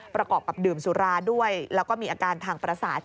ประกอบกับดื่มสุราด้วยแล้วก็มีอาการทางประสาท